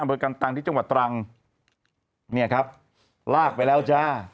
เบอร์กันตังที่จังหวัดตรังเนี่ยครับลากไปแล้วจ้า